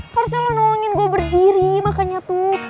harusnya lo nolongin gue berdiri makanya tuh